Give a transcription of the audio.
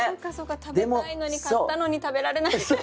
食べたいのに買ったのに食べられない。